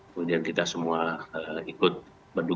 kemudian kita semua ikut berduka